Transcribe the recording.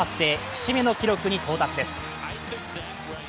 節目の記録に到達です。